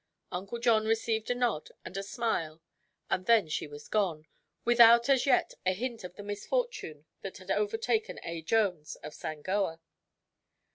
Uncle John received a nod and a smile and then she was gone, without as yet a hint of the misfortune that had overtaken A. Jones of Sangoa.